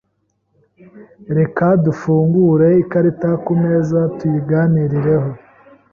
Reka dufungure ikarita kumeza tuyiganireho.